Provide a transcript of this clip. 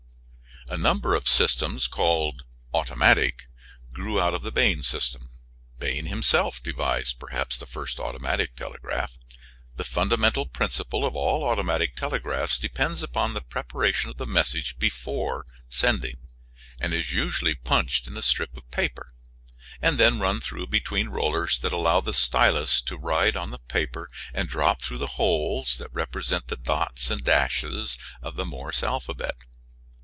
A number of systems, called "automatic," grew out of the Bain system. Bain himself devised, perhaps, the first automatic telegraph. The fundamental principle of all automatic telegraphs depends upon the preparation of the message before sending, and is usually punched in a strip of paper and then run through between rollers that allow the stylus to ride on the paper and drop through the holes that represent the dots and lines of the Morse alphabet.